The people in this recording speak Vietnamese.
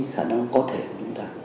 khả năng có thể của chúng ta